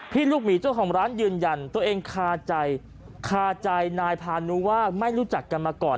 ลูกหมีเจ้าของร้านยืนยันตัวเองคาใจคาใจนายพานุว่าไม่รู้จักกันมาก่อน